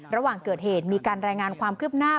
ระหว่างเกิดเหตุมีการรายงานความคืบหน้า